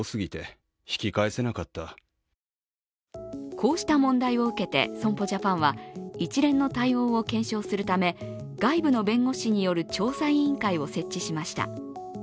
こうした問題を受けて損保ジャパンは一連の対応を検証するため、外部の弁護士による調査委員会を設置しました。